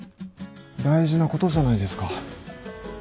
大事なことじゃないですか